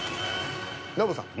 ノブさん。